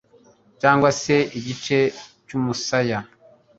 cyangwa se igice cy'umusaya